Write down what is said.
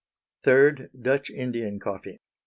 _III. Dutch Indian Coffee.